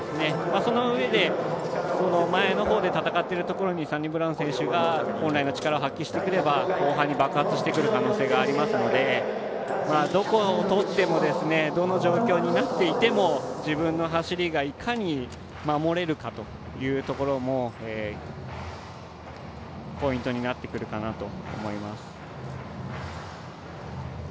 そのうえで、前のほうで戦っているところにサニブラウン選手が本来の力を発揮してくれば後半に爆発してくる可能性がありますのでどこをとってもどんな状況になっていても自分の走りがいかに守れるかというところもポイントになってくるかなと思います。